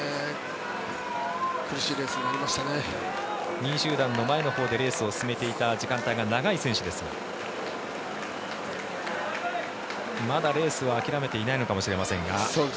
２位集団の前のほうでレースを進めていた時間帯が長い選手ですがまだレースを諦めていないのかもしれませんが。